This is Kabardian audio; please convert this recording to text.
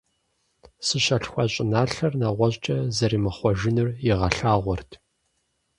Зыщалъхуа щӀыналъэр нэгъуэщӀкӀэ зэримыхъуэжынур игъэлъагъуэрт.